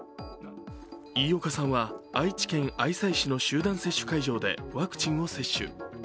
飯岡さんは、愛知県愛西市の集団接種会場でワクチンを接種。